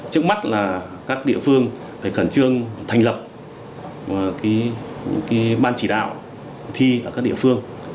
trước mắt là các địa phương phải khẩn trương thành lập ban chỉ đạo thi ở các địa phương